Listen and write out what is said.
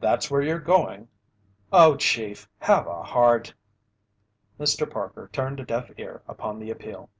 "That's where you're going!" "Oh, Chief, have a heart!" Mr. Parker turned a deaf ear upon the appeal.